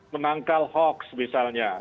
menangkal hoax misalnya